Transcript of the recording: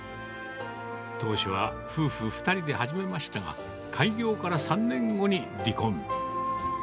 当初は夫婦２人で始めましたが、開業から３年後に離婚。